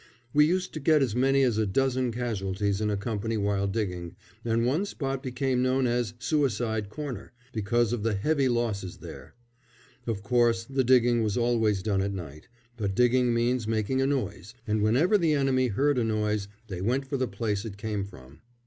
We used to get as many as a dozen casualties in a company while digging, and one spot became known as "Suicide Corner," because of the heavy losses there. Of course, the digging was always done at night; but digging means making a noise, and whenever the enemy heard a noise they went for the place it came from.